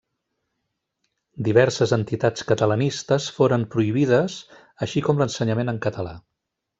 Diverses entitats catalanistes foren prohibides així com l'ensenyament en català.